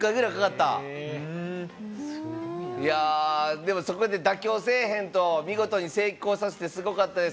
でも、そこで妥協せえへんと見事成功させて、すごかったです。